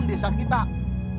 kita harus amankan desa kita